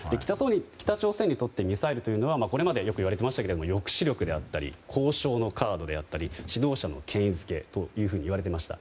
北朝鮮にとってミサイルというのはこれまでよく言われていましたけど抑止力だったり交渉カードであったり指導者の権威付けというふうにいわれていました。